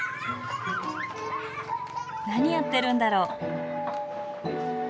何やってるんだろう？